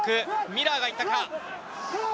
ミラーが行ったか。